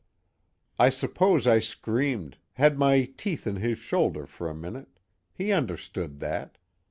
_I suppose I screamed had my teeth in his shoulder for a minute he understood that.